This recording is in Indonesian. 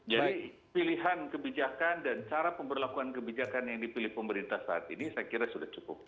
jadi pilihan kebijakan dan cara pemberlakuan kebijakan yang dipilih pemerintah saat ini saya kira sudah cukup